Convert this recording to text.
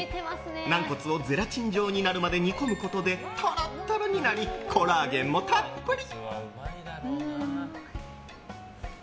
軟骨をゼラチン状になるまで煮込むことでトロトロになりコラーゲンもたっぷり。